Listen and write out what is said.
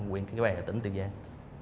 quyện cái bè ở tỉnh tiền giang